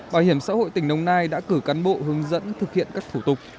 bảo hiểm xã hội tỉnh đồng nai đã cử cán bộ hướng dẫn thực hiện các thủ tục